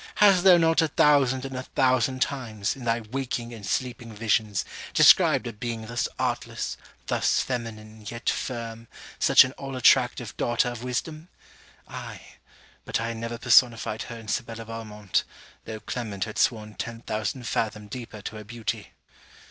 'Hast thou not a thousand and a thousand times, in thy waking and sleeping visions, described a being thus artless, thus feminine, yet firm, such an all attractive daughter of wisdom? Ay: but I had never personified her in Sibella Valmont, though Clement had sworn ten thousand fathom deeper to her beauty.'